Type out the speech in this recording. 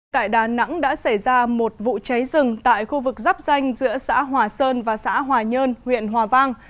tại đà nẵng đã xảy ra một vụ cháy rừng tại khu vực dắp danh giữa xã hòa sơn và xã hòa nhơn huyện hòa vang